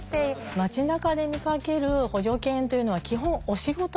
街なかで見かける補助犬というのは基本お仕事中です。